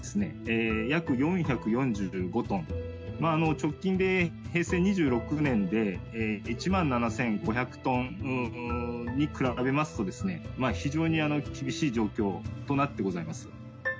直近で平成２６年で１万７５００トンに比べますと非常に厳しい状況となってございます。